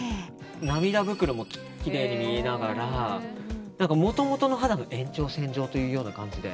涙袋もきれいに見えながらもともとの肌の延長線上というような感じで。